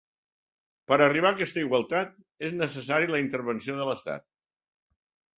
Per a arribar aquesta igualtat és necessari la intervenció de l'Estat.